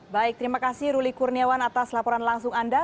baik terima kasih ruli kurniawan atas laporan langsung anda